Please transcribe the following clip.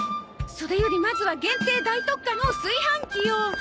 それよりまずは限定大特価の炊飯器よ！